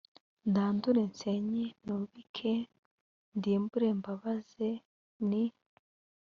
ndandure nsenye nubike ndimbure mbabaze ni